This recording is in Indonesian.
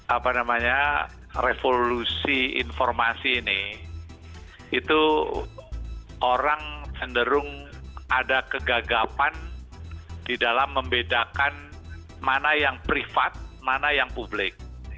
apa namanya revolusi informasi ini itu orang cenderung ada kegagapan di dalam membedakan mana yang privat mana yang publik